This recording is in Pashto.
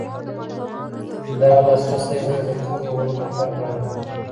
دا لاسرسی باید د ټولو غړو لپاره برابر وي.